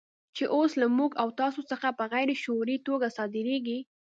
چې اوس له موږ او تاسو څخه په غیر شعوري توګه صادرېږي.